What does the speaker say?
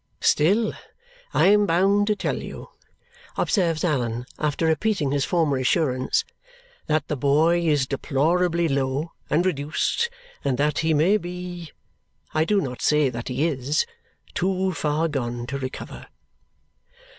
"Still I am bound to tell you," observes Allan after repeating his former assurance, "that the boy is deplorably low and reduced and that he may be I do not say that he is too far gone to recover."